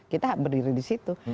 kita berdiri di situ